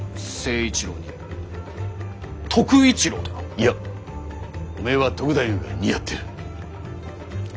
いいやおめえは篤太夫が似合ってる。